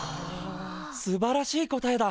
すばらしい答えだ。